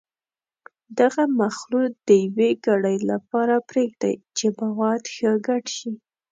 دغه مخلوط د یوې ګړۍ لپاره پرېږدئ چې مواد ښه ګډ شي.